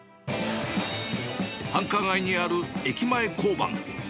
繁華街にある駅前交番。